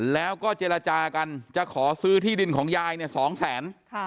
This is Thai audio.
แล้วก็เจรจากันจะขอซื้อที่ดินของยายเนี่ย๒แสน